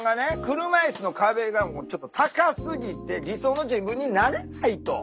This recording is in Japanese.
車いすの壁がちょっと高すぎて理想の自分になれないと。